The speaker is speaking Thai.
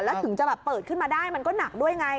แล้วถึงจะแบบเปิดขึ้นมาได้มันก็หนักด้วยไง